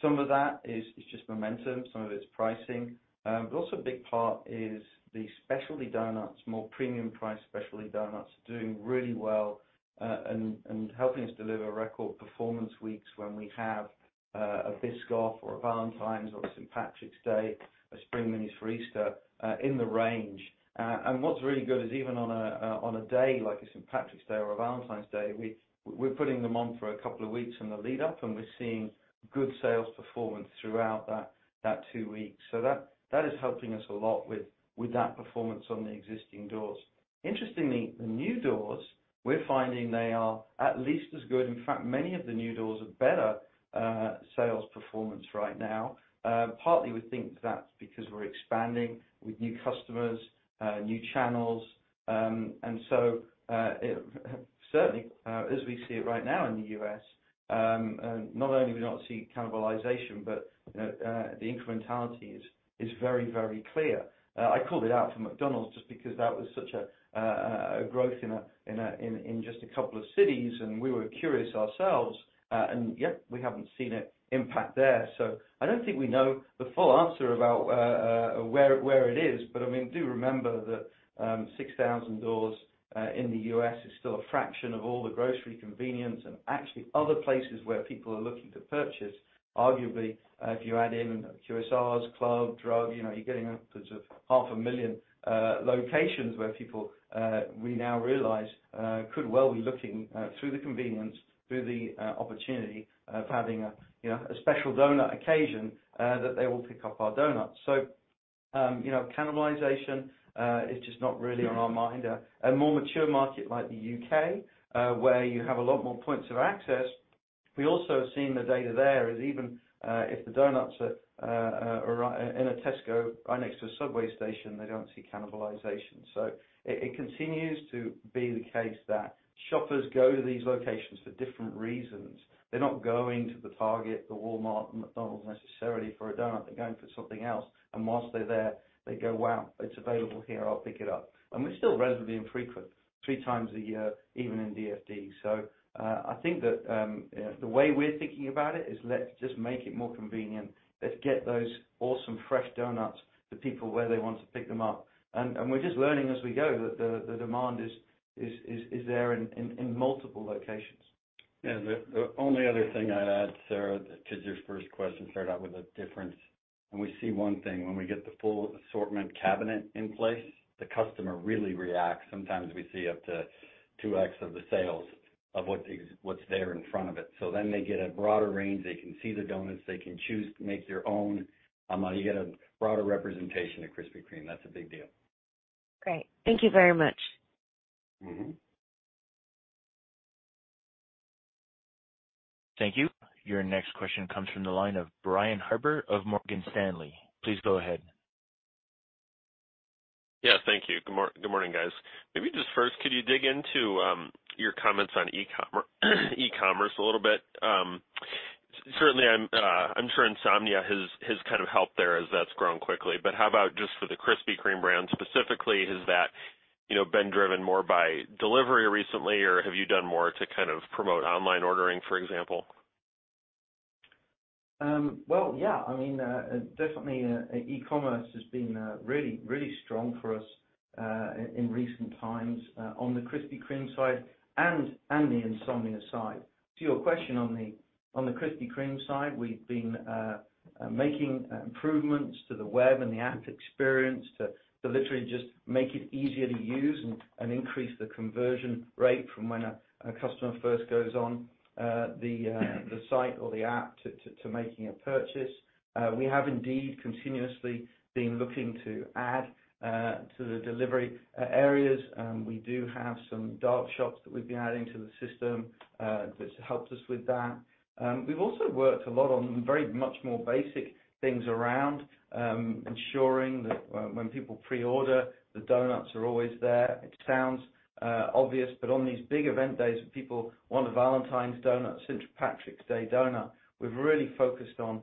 Some of that is just momentum, some of it's pricing. Also a big part is the specialty doughnuts, more premium priced specialty doughnuts are doing really well, and helping us deliver record performance weeks when we have a Biscoff or a Valentine's or a St. Patrick's Day, a Spring Minis for Easter, in the range. What's really good is even on a day like a St. Patrick's Day or a Valentine's Day, we're putting them on for a couple of weeks in the lead up, and we're seeing good sales performance throughout that two weeks. That is helping us a lot with that performance on the existing doors. Interestingly, the new doors we're finding they are at least as good, in fact, many of the new doors have better sales performance right now. Partly we think that's because we're expanding with new customers, new channels. It certainly as we see it right now in the U.S., not only are we not seeing cannibalization, but the incrementality is very, very clear. I called it out for McDonald's just because that was such a growth in just a couple of cities, and we were curious ourselves. And yet we haven't seen it impact there. I don't think we know the full answer about where it is. I mean, do remember that, 6,000 doors in the U.S. is still a fraction of all the grocery convenience and actually other places where people are looking to purchase. Arguably, if you add in QSRs, club, drug, you know, you're getting upwards of half a million locations where people, we now realize, could well be looking through the convenience, through the opportunity of having a, you know, a special doughnut occasion, that they will pick up our doughnuts. You know, cannibalization is just not really on our mind. A more mature market like the U.K., where you have a lot more points of access. We also have seen the data there is even, if the doughnuts are in a Tesco right next to a subway station, they don't see cannibalization. It continues to be the case that shoppers go to these locations for different reasons. They're not going to the Target, the Walmart, McDonald's necessarily for a donut. They're going for something else. Whilst they're there, they go, "Wow, it's available here, I'll pick it up." And we're still relatively infrequent, 3x a year, even in DFD. I think that the way we're thinking about it is let's just make it more convenient. Let's get those awesome fresh donuts to people where they want to pick them up. And we're just learning as we go that the demand is there in multiple locations. Yeah. The only other thing I'd add, Sara, to your first question, started out with a difference, we see one thing. When we get the full assortment cabinet in place, the customer really reacts. Sometimes we see up to 2x of the sales of what's there in front of it. They get a broader range. They can see the doughnuts. They can choose to make their own, you get a broader representation of Krispy Kreme. That's a big deal. Great. Thank you very much. Mm-hmm. Thank you. Your next question comes from the line of Brian Harbour of Morgan Stanley. Please go ahead. Yeah, thank you. Good morning, guys. Maybe just first, could you dig into your comments on e-commerce a little bit? Certainly, I'm sure Insomnia has kind of helped there as that's grown quickly. How about just for the Krispy Kreme brand specifically, has that, you know, been driven more by delivery recently, or have you done more to kind of promote online ordering, for example? Well, yeah. I mean, definitely e-commerce has been really, really strong for us in recent times on the Krispy Kreme side and the Insomnia side. To your question on the Krispy Kreme side, we've been making improvements to the web and the app experience to literally just make it easier to use and increase the conversion rate from when a customer first goes on the site or the app to making a purchase. We have indeed continuously been looking to add to the delivery areas. We do have some dark shops that we've been adding to the system, which helps us with that. We've also worked a lot on very much more basic things around ensuring that when people pre-order, the donuts are always there. It sounds obvious, but on these big event days, when people want a Valentine's donut, Saint Patrick's Day donut, we've really focused on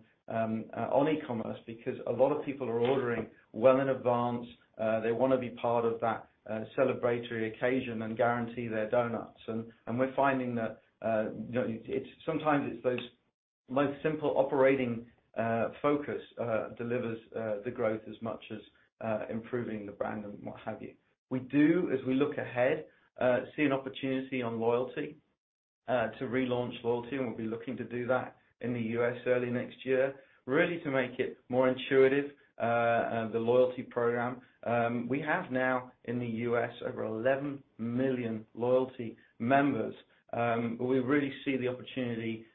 e-commerce because a lot of people are ordering well in advance. They wanna be part of that celebratory occasion and guarantee their donuts. We're finding that, you know, sometimes it's those most simple operating focus delivers the growth as much as improving the brand and what have you. We do, as we look ahead, see an opportunity on loyalty to relaunch loyalty, and we'll be looking to do that in the U.S. early next year, really to make it more intuitive the loyalty program. We have now in the U.S. over 11 million loyalty members. We really see the opportunity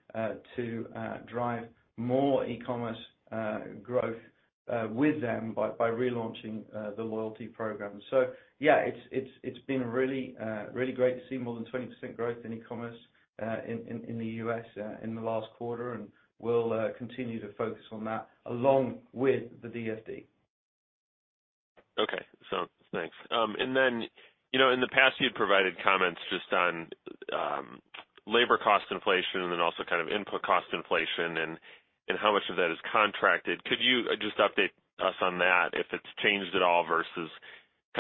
to drive more e-commerce growth with them by relaunching the loyalty program. Yeah, it's been really great to see more than 20% growth in e-commerce in the U.S. in the last quarter, and we'll continue to focus on that along with the DFD. Okay. Sounds. Thanks. You know, in the past, you'd provided comments just on labor cost inflation and also kind of input cost inflation and how much of that is contracted. Could you just update us on that, if it's changed at all versus kind of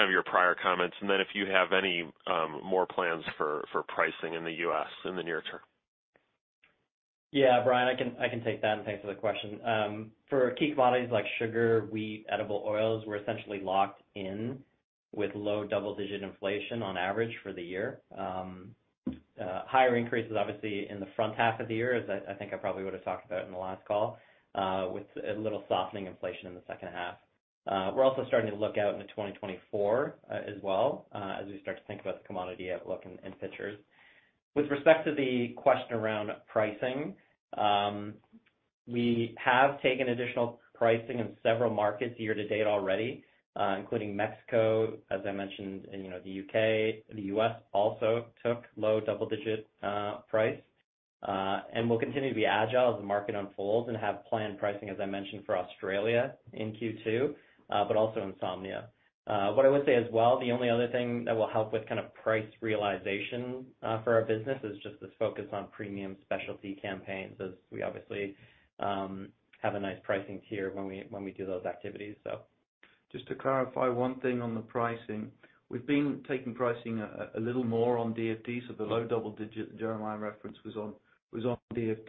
your prior comments? If you have any, more plans for pricing in the U.S. in the near term. Yeah, Brian, I can take that. Thanks for the question. For key commodities like sugar, wheat, edible oils, we're essentially locked in with low double-digit inflation on average for the year. Higher increases obviously in the front half of the year, as I think I probably would have talked about in the last call, with a little softening inflation in the second half. We're also starting to look out into 2024 as well, as we start to think about the commodity outlook in pictures. With respect to the question around pricing, we have taken additional pricing in several markets year to date already, including Mexico, as I mentioned, and you know, the UK. The U.S. also took low double-digit, price, and we'll continue to be agile as the market unfolds and have planned pricing, as I mentioned, for Australia in Q2, but also Insomnia. What I would say as well, the only other thing that will help with kind of price realization, for our business is just this focus on premium specialty campaigns as we obviously, have a nice pricing tier when we do those activities, so. Just to clarify one thing on the pricing. We've been taking pricing a little more on DFD. The low double-digit Jeremiah referenced was on DFD.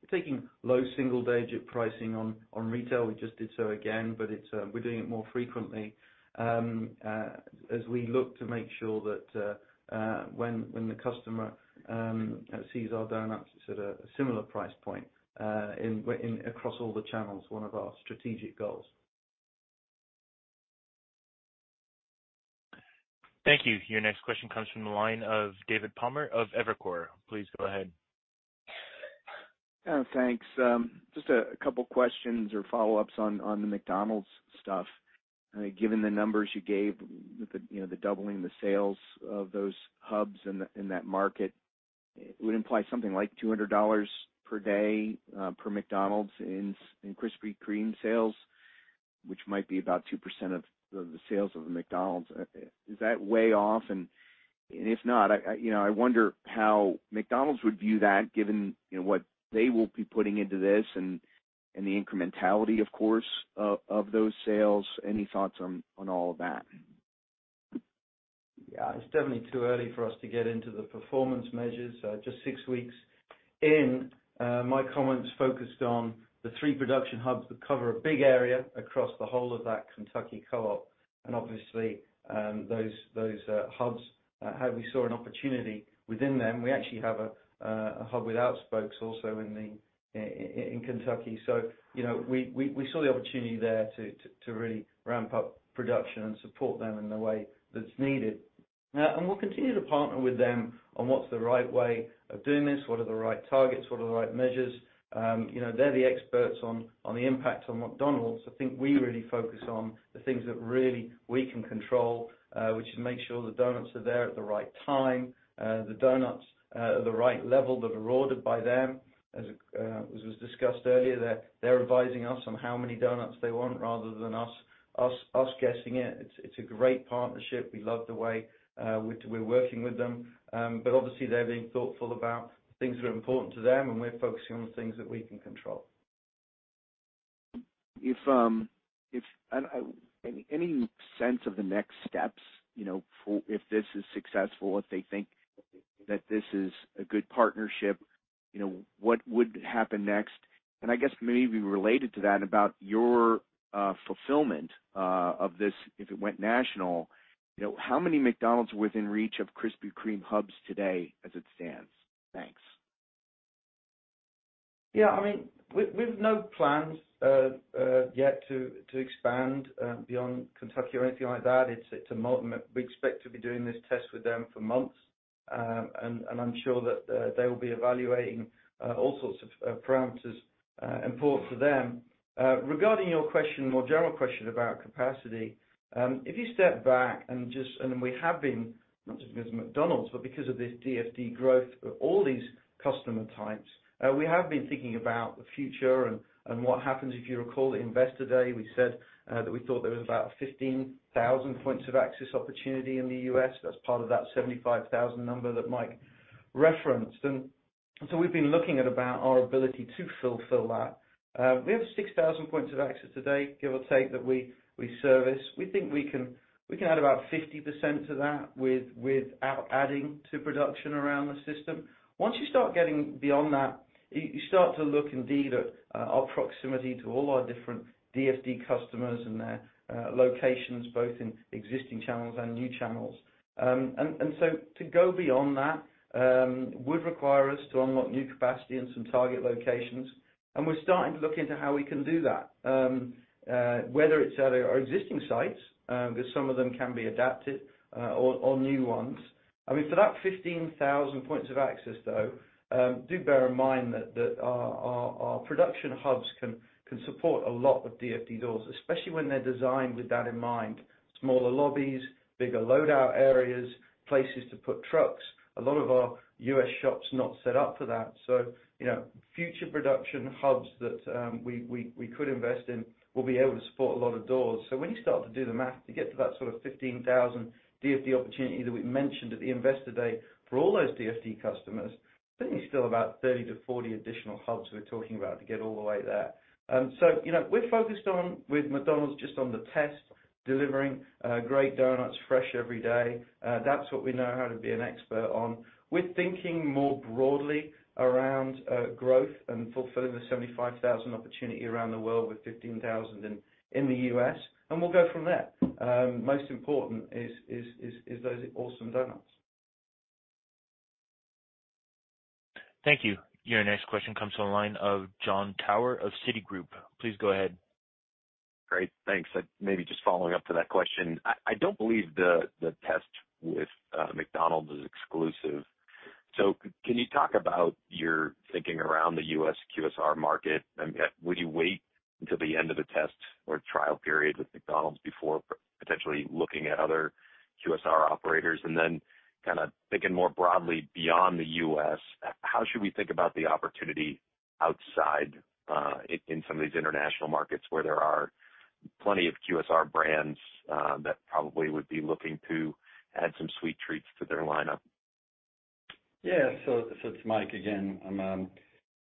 We're taking low single-digit pricing on retail. We just did so again. It's we're doing it more frequently as we look to make sure that when the customer sees our doughnuts, it's at a similar price point across all the channels, one of our strategic goals. Thank you. Your next question comes from the line of David Palmer of Evercore. Please go ahead. Thanks. Just a couple questions or follow-ups on the McDonald's stuff. Given the numbers you gave with the, you know, the doubling the sales of those hubs in that market would imply something like $200 per day per McDonald's in Krispy Kreme sales, which might be about 2% of the sales of a McDonald's. Is that way off? If not, I, you know, I wonder how McDonald's would view that given, you know, what they will be putting into this and the incrementality, of course, of those sales. Any thoughts on all of that? Yeah. It's definitely too early for us to get into the performance measures, just six weeks in. My comments focused on the three production hubs that cover a big area across the whole of that Kentucky co-op. Obviously, those hubs, how we saw an opportunity within them. We actually have a hub without spokes also in Kentucky. You know, we saw the opportunity there to really ramp up production and support them in the way that's needed. We'll continue to partner with them on what's the right way of doing this, what are the right targets, what are the right measures. You know, they're the experts on the impact on McDonald's. I think we really focus on the things that really we can control, which is make sure the donuts are there at the right time, the donuts are at the right level that are ordered by them. As, as was discussed earlier, they're advising us on how many donuts they want rather than us guessing it. It's a great partnership. We love the way, we're working with them. Obviously, they're being thoughtful about things that are important to them, and we're focusing on the things that we can control. Any sense of the next steps, you know, for if this is successful, if they think that this is a good partnership, you know, what would happen next? I guess maybe related to that about your fulfillment of this if it went national, you know, how many McDonald's within reach of Krispy Kreme hubs today as it stands? Thanks. Yeah. I mean, we've no plans yet to expand beyond Kentucky or anything like that. We expect to be doing this test with them for months. I'm sure that they will be evaluating all sorts of parameters important to them. Regarding your question, more general question about capacity, if you step back and just, and then we have been, not just because of McDonald's, but because of this DFD growth of all these customer types, we have been thinking about the future and what happens. If you recall at Investor Day, we said that we thought there was about 15,000 points of access opportunity in the U.S. That's part of that 75,000 number that Mike referenced. We've been looking at about our ability to fulfill that. We have 6,000 points of access today, give or take, that we service. We think we can add about 50% to that without adding to production around the system. Once you start getting beyond that, you start to look indeed at our proximity to all our different DFD customers and their locations, both in existing channels and new channels. So to go beyond that, would require us to unlock new capacity in some target locations. We're starting to look into how we can do that, whether it's at our existing sites, 'cause some of them can be adapted, or new ones. I mean, for that 15,000 points of access, though, do bear in mind that our production hubs can support a lot of DFD doors, especially when they're designed with that in mind. Smaller lobbies, bigger load-out areas, places to put trucks. A lot of our U.S. shops are not set up for that. You know, future production hubs that we could invest in will be able to support a lot of doors. When you start to do the math to get to that sort of 15,000 DFD opportunity that we mentioned at the Investor Day for all those DFD customers, I think it's still about 30-40 additional hubs we're talking about to get all the way there. You know, we're focused on with McDonald's just on the test, delivering great donuts fresh every day. That's what we know how to be an expert on. We're thinking more broadly around growth and fulfilling the 75,000 opportunity around the world with 15,000 in the U.S., and we'll go from there. Most important is those awesome donuts. Thank you. Your next question comes from the line of Jon Tower of Citigroup. Please go ahead. Great. Thanks. Maybe just following up to that question. I don't believe the test with McDonald's is exclusive. Can you talk about your thinking around the U.S. QSR market? Would you wait until the end of a test or trial period with McDonald's before potentially looking at other QSR operators? Then kinda thinking more broadly beyond the U.S., how should we think about the opportunity outside in some of these international markets where there are plenty of QSR brands that probably would be looking to add some sweet treats to their lineup? Yeah. So it's Mike again.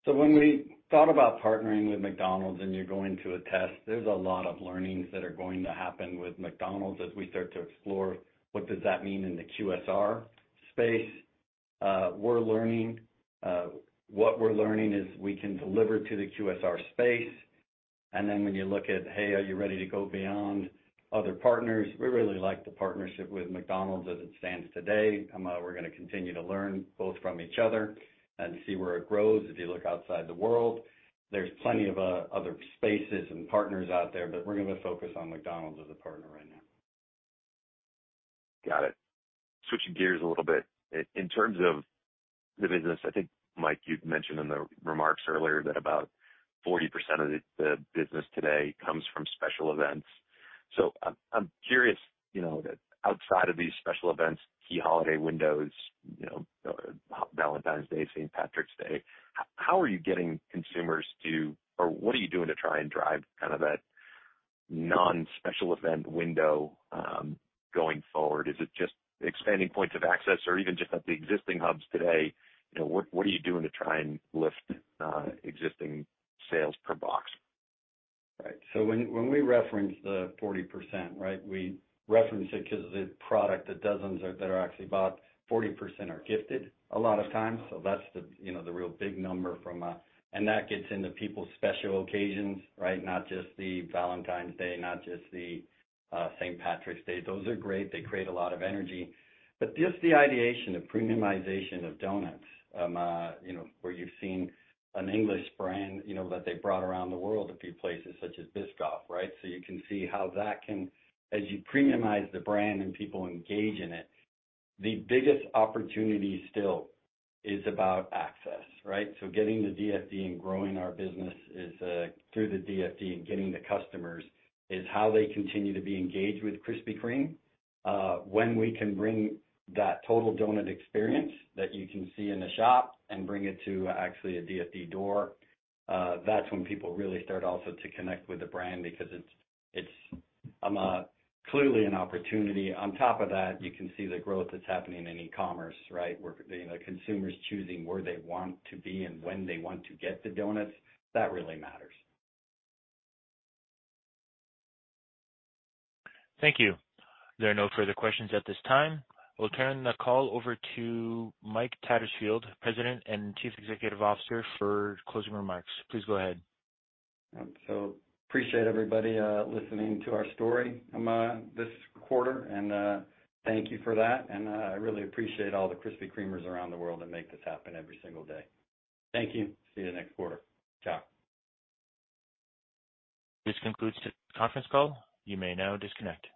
When we thought about partnering with McDonald's and you're going to a test, there's a lot of learnings that are going to happen with McDonald's as we start to explore what does that mean in the QSR space. We're learning. What we're learning is we can deliver to the QSR space. When you look at, "Hey, are you ready to go beyond other partners?" We really like the partnership with McDonald's as it stands today. We're gonna continue to learn both from each other and see where it grows. If you look outside the world, there's plenty of other spaces and partners out there, but we're gonna focus on McDonald's as a partner right now. Got it. Switching gears a little bit. In terms of the business, I think, Mike, you'd mentioned in the remarks earlier that about 40% of the business today comes from special events. I'm curious, you know, outside of these special events, key holiday windows, you know, Valentine's Day, St. Patrick's Day, how are you getting consumers to or what are you doing to try and drive kind of that non-special event window going forward? Is it just expanding points of access or even just at the existing hubs today, you know, what are you doing to try and lift existing sales per box? Right. When we reference the 40%, we reference it ’cause the product, the dozens that are actually bought, 40% are gifted a lot of times. That's the, you know, the real big number from. That gets into people's special occasions. Not just the Valentine's Day, not just the St. Patrick's Day. Those are great. They create a lot of energy. Just the ideation of premiumization of doughnuts, you know, where you've seen an English brand, you know, that they brought around the world a few places, such as Biscoff. You can see how that can as you premiumize the brand and people engage in it, the biggest opportunity still is about access. Getting the DFD and growing our business is through the DFD and getting the customers is how they continue to be engaged with Krispy Kreme. When we can bring that total doughnut experience that you can see in the shop and bring it to actually a DFD door, that's when people really start also to connect with the brand because it's clearly an opportunity. On top of that, you can see the growth that's happening in e-commerce, right, where the, you know, consumers choosing where they want to be and when they want to get the doughnuts. That really matters. Thank you. There are no further questions at this time. We'll turn the call over to Mike Tattersfield, President and Chief Executive Officer for closing remarks. Please go ahead. Appreciate everybody listening to our story this quarter. Thank you for that. I really appreciate all the Krispy Kremers around the world that make this happen every single day. Thank you. See you next quarter. Ciao. This concludes the conference call. You may now disconnect.